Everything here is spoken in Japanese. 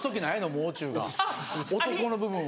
もう中が男の部分を。